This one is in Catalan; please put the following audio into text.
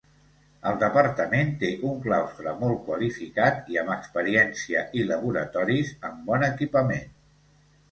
El Departament té un claustre molt qualificat i amb experiència i laboratoris amb bon equipament.